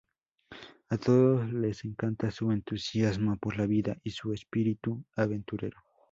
A todos les encanta su entusiasmo por la vida y su espíritu aventurero.